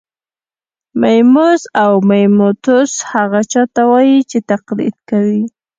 میموس او میموتوس هغه چا ته وايي چې تقلید کوي